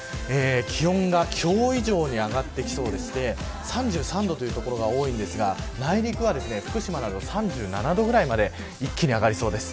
気温が今日以上に上がってきそうでして３３度という所が多いんですが内陸は福島など３７度くらいまで一気に上がりそうです。